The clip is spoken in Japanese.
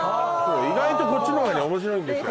意外とこっちの方がね面白いんですよ